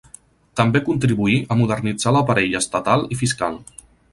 També contribuí a modernitzar l'aparell estatal i fiscal.